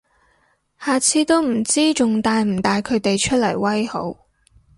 下次都唔知仲帶唔帶佢哋出嚟威好